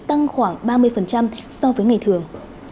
tăng khoảng ba mươi so với ngày thường